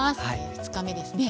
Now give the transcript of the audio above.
２日目ですね。